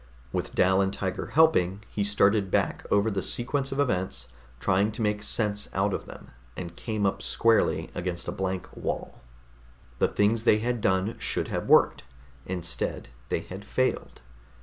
With Dal and Tiger helping he started back over the sequence of events, trying to make sense out of them, and came up squarely against a blank wall. The things they had done should have worked; instead, they had failed.